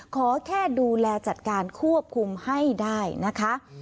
ขอแค่ดูแลจัดการควบคุมให้ได้นะคะ